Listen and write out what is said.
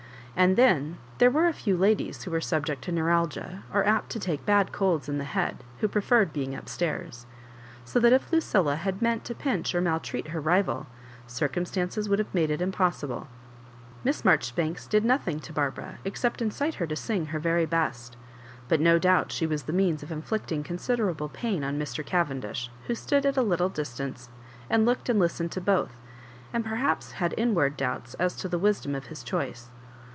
And then there were a few ladies who were subject to neuralgia, or apt to take bad colds in the head, who preferred being up stairs. So that if Lucilla had meant to pinch or maltreat her rival, circumstances would have made it im possible. Miss Marjoribanks did nothing to Bar bara, except incite her to sing her very best ; but no doubt she was the means of inflicting con siderable pain on Mr. Cavendish, who stood at a little distance, and looked and listened to both, and perhaps had inward doubts as to the wisdom of his choice.